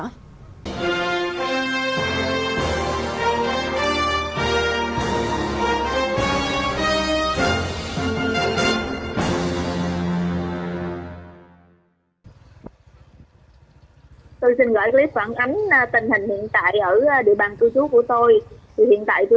tôi xin gọi clip phản ánh tình hình hiện tại ở địa bàn tui chú của tôi